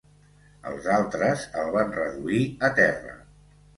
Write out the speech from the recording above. Els altres el van reduir a terra.